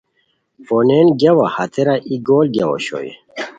پونین گیاوا ہتیرا ای گول گیاؤ اوشوئے